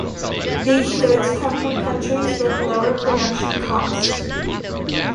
These goods come from countries with lower production costs.